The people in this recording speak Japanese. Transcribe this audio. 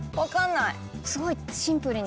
すごいシンプルに。